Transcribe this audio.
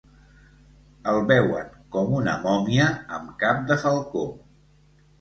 El veuen com una mòmia amb cap de falcó.